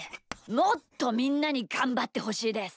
もっとみんなにがんばってほしいです。